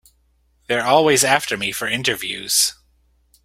They're always after me for interviews.